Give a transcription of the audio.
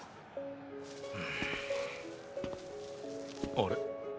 あれ？